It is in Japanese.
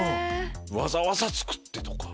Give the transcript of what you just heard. わざわざ作ってとか。